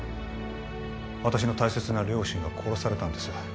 私の大切な両親が殺されたんです